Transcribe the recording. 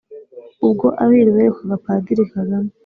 ubwo abiru berekwaga Padiri Kagame